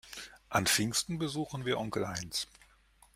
An Pfingsten besuchen wir Onkel Heinz.